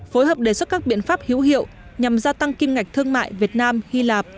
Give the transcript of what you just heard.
phối hợp đề xuất các biện pháp hữu hiệu nhằm gia tăng kim ngạch thương mại việt nam hy lạp